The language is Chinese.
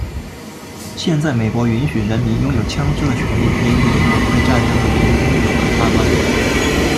现在美国允许人民拥有枪枝的权利也与美国独立战争的民兵有很大关联。